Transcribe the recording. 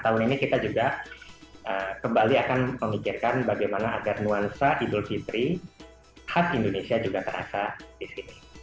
tahun ini kita juga kembali akan memikirkan bagaimana agar nuansa idul fitri khas indonesia juga terasa di sini